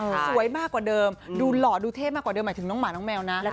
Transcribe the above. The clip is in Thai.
สวยมากกว่าเดิมดูหล่อดูเท่มากกว่าเดิมหมายถึงน้องหมาน้องแมวนะ